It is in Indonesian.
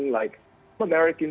saya harus pulang ke negara lain